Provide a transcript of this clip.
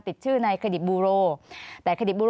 ขอบคุณครับ